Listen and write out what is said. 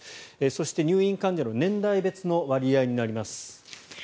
そして、入院患者の年代別の割合になります。